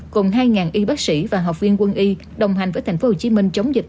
cùng hai y bác sĩ và học viên quân y đồng hành với tp hcm chống dịch từ ngày hai mươi ba tháng tám